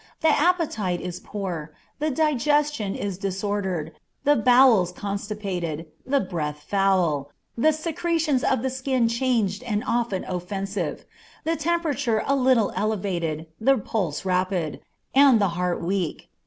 The appetite is poor, the digestion disordered, the bowels constipated, the breath foul, the secretions of the skin changed and often offensive, the temperature a little elevated, the pulse rapid, and the heart weak.